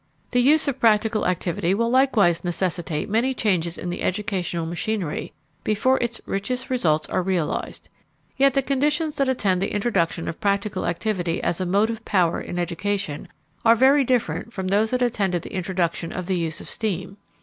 The use of practical activity will likewise necessitate many changes in the educational machinery before its richest results are realized. Yet the conditions that attend the introduction of practical activity as a motive power in education are very different from those that attended the introduction of the use of steam.